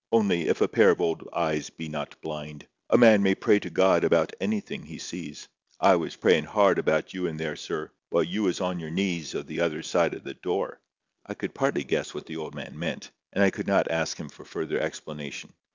Only, if a pair of old eyes be not blind, a man may pray to God about anything he sees. I was prayin' hard about you in there, sir, while you was on your knees o' the other side o' the door." I could partly guess what the old man meant, and I could not ask him for further explanation.